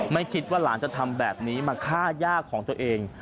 ไม่คิดว่าหลานจะทำแบบนี้มาฆ่าย่าของตัวเอง